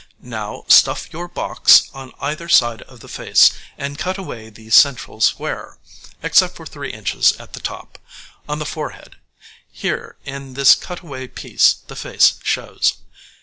Now stuff your box on either side of the face and cut away the central square, except for 3 inches at the top, on the forehead; here, in this cut away piece, the face shows.